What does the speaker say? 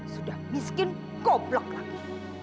sudah miskin goblok lagi